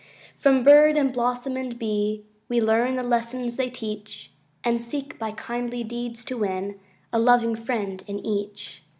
From bird, and blossom, and bee, We learn the lessons they teach; And seek, by kindly deeds, to win A loving friend in each.